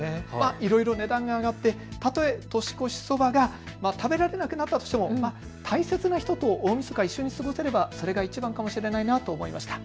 いろいろ値段が上がってたとえ、年越しそばが食べられなくなったとしても大切な人と大みそか、一緒に過ごせればそれがいちばんかと思いました。